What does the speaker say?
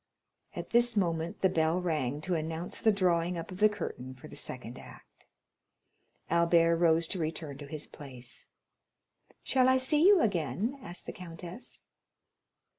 At this moment the bell rang to announce the drawing up of the curtain for the second act. Albert rose to return to his place. "Shall I see you again?" asked the countess.